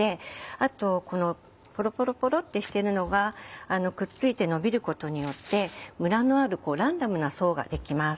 あとこのポロポロポロってしてるのがくっついてのびることによってムラのあるランダムな層ができます。